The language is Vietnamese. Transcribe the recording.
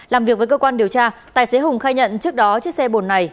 làm việc với cơ quan điều tra tài xế hùng khai nhận trước đó chiếc xe bồn này